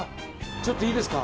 ちょっといいですか。